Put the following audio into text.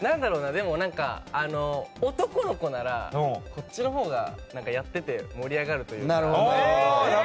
でも、男の子ならそっちのほうがやってて盛り上がるというか。